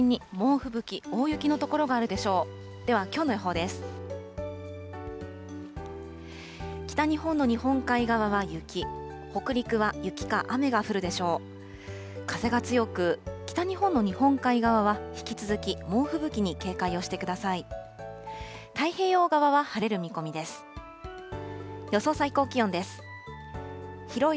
風が強く、北日本の日本海側は引き続き猛吹雪に警戒をしてください。